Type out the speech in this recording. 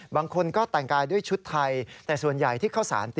บางคนก็แต่งกายด้วยชุดไทยแต่ส่วนใหญ่ที่เข้าสาร